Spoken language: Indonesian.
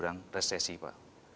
dan jurang resesi pak